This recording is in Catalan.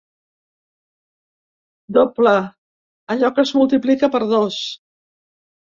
Doble, allò que es multiplica per dos.